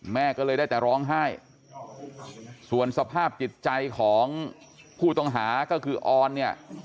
แม่ก็เลยได้แต่ร้องไห้ส่วนสภาพจิตใจของผู้ต้องหาก็คือออนเนี่ย